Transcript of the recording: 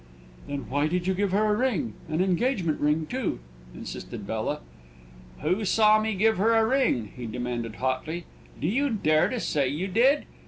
"Then why did you give her a ring an engagement ring too?" insisted Bella. "Who saw me give her a ring?" he demanded hotly. "Do you dare to say you did?